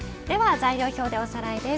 材料表でおさらいです。